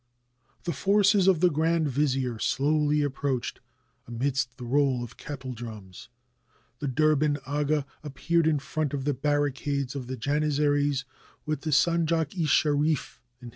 The forces of the grand vizier slowly approached amidst the roll of kettledrums ; the Derben aga ap peared in front of the barricades of the Janizaries, with the sanj a k i sherif in.